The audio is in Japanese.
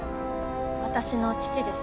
私の父です。